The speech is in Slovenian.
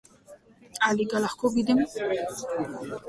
Ali ga lahko vidim?